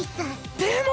でも。